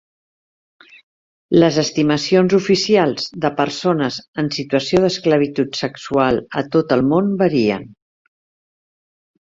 Les estimacions oficials de persones en situació d'esclavitud sexual a tot el món varien.